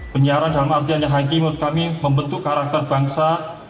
penyiaran dalam artian yang haki menurut kami membentuk karakter bangsa